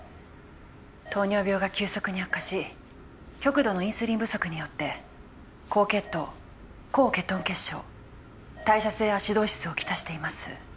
糖尿病が急速に悪化し極度のインスリン不足によって高血糖高ケトン血症代謝性アシドーシスをきたしています